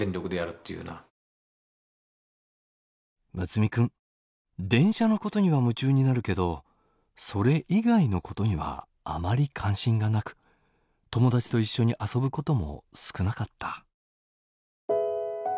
睦弥君電車のことには夢中になるけどそれ以外のことにはあまり関心がなく友達と一緒に遊ぶことも少なかった。